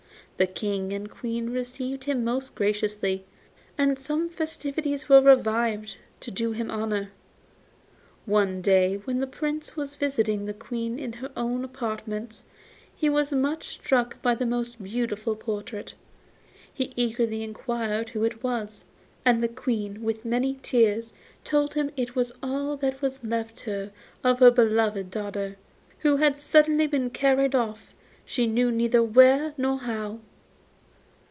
The King and Queen received him most graciously, and some festivities were revived to do him honour. One day when the Prince was visiting the Queen in her own apartments he was much struck by a most beautiful portrait. He eagerly inquired whose it was, and the Queen, with many tears, told him it was all that was left her of her beloved daughter, who had suddenly been carried off, she knew neither where nor how.